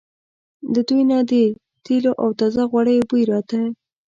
له دوی نه د تېلو او تازه غوړیو بوی راته.